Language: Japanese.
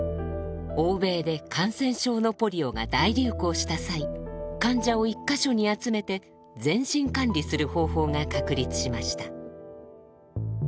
欧米で感染症のポリオが大流行した際患者を１か所に集めて全身管理する方法が確立しました。